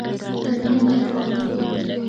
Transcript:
گرمیاں دیاں راتاں ہوّن۔